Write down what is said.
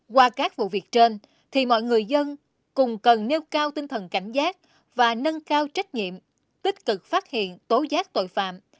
qua các vụ việc trên thì mọi người dân cùng cần nêu cao tinh thần cảnh giác và nâng cao trách nhiệm tích cực phát hiện tố giác tội phạm